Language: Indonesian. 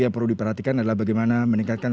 yang perlu diperhatikan adalah bagaimana meningkatkan